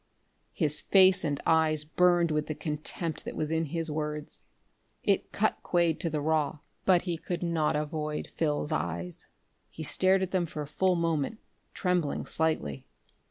His face and eyes burned with the contempt that was in his words. It cut Quade to the raw. But he could not avoid Phil's eyes. He stared at them for a full moment, trembling slightly.